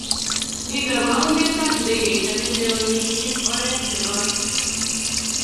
Mi kamangunetab ab ndegeit ake neo kiib oret ne koi.